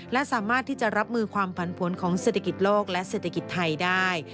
และสามารถที่จะรับมือความผันผลของเศรษฐกิจโลกและเศรษฐกิจไทยได้